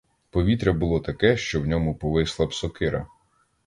Повітря було таке, що в ньому повисла б сокира.